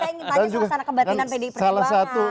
saya ingin tanya soal sana kebatinan pdi peribangan